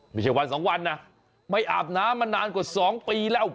ไม่ใช่วันสองวันนะไม่อาบน้ำมานานกว่า๒ปีแล้ว